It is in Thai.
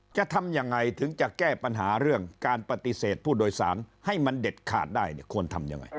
จะทำยังไงถึงจะแก้ปัญหาเรื่องการปฏิเสธผู้โดยสารให้มันเด็ดขาดได้เนี่ยควรทำยังไง